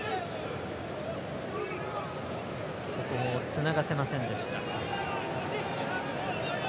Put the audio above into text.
つながせませんでした。